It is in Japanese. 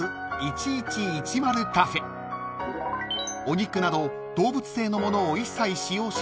［お肉など動物性のものを一切使用しない